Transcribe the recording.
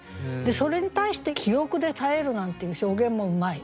それに対して「記憶で耐える」なんていう表現もうまい。